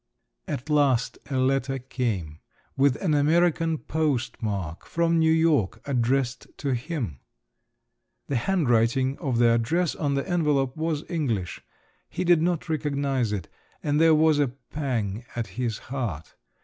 At last a letter came, with an American postmark, from New York, addressed to him. The handwriting of the address on the envelope was English…. He did not recognise it, and there was a pang at his heart.